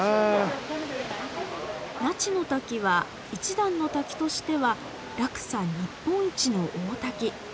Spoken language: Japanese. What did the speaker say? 那智の滝は一段の滝としては落差日本一の大滝。